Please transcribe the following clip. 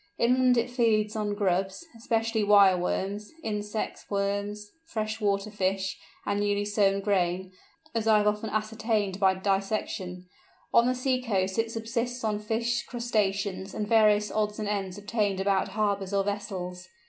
Inland it feeds on grubs—especially wire worms—insects, worms, fresh water fish, and newly sown grain, as I have often ascertained by dissection; on the sea coast it subsists on fish, crustaceans, and various odds and ends obtained about harbours or vessels.